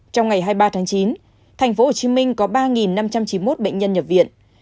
trong ngày hai mươi ba tháng chín tp hcm có ba năm trăm chín mươi một bệnh nhân nhập viện